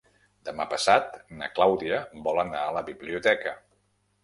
Demà passat na Clàudia vol anar a la biblioteca.